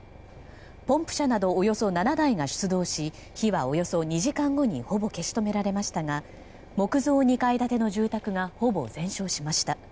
ポンプ車などおよそ７台が出動し火はおよそ２時間後にほぼ消し止められましたが木造２階建ての住宅がほぼ全焼しました。